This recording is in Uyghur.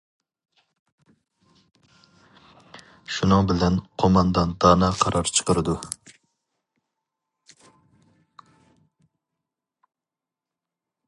شۇنىڭ بىلەن قوماندان دانا قارار چىقىرىدۇ.